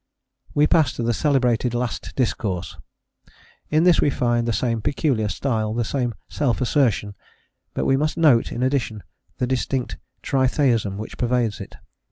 * We pass to the celebrated "last discourse." In this we find the same peculiar style, the same self assertion, but we must note, in addition, the distinct tritheism which pervades it.